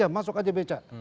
masuk aja beca